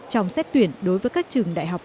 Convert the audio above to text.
trong sách tuyển đối với các trường đại học